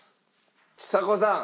ちさ子さん。